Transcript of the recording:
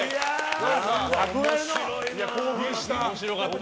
興奮した。